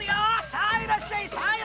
さあいらっしゃい！